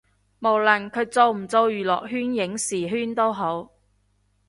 無論佢做唔做娛樂圈影視圈都好